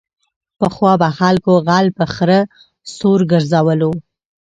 پخوا به خلکو غل په خره سور گرځولو.